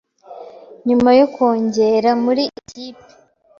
Nyuma y’uko ngera muri ikipe